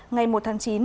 ngày một tháng chín